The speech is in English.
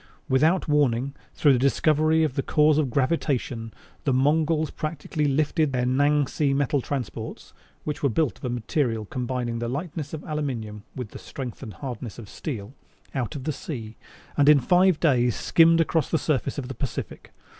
Without warning, through the discovery of the cause of gravitation, the Mongols practically lifted their Nangsi metal transports (which were built of a material combining the lightness of aluminum with the strength and hardness of steel) out of the sea; and in five days skimmed across the surface of the Pacific.